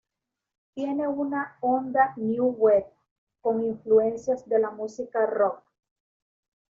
Tiene una onda New Wave, con influencias de la música Rock